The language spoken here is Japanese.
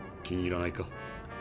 気に入らないか？